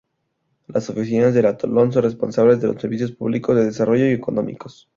Las oficinas del atolón son responsables de los servicios públicos, de desarrollo y económicos.